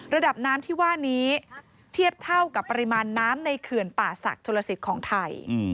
ระดับน้ำที่ว่านี้เทียบเท่ากับปริมาณน้ำในเขื่อนป่าศักดิ์ชนลสิทธิ์ของไทย